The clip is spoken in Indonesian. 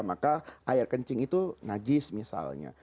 maka air kencing itu najis misalnya